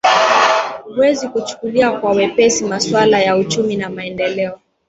wezi kuchukulia kwa wepesi maswala ya uchumi na maendeleo